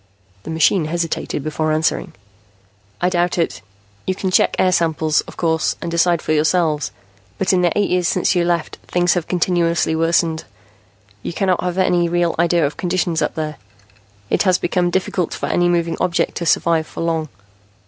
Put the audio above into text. The machine hesitated before answering. "I doubt it. You can check air samples, of course, and decide for yourselves. But in the eight years since you left, things have continually worsened. You cannot have any real idea of conditions up there. It has become difficult for any moving object to survive for long.